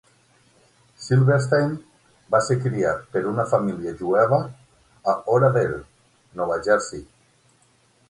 Silverstein va ser criat per una família jueva a Oradell (Nova Jersey).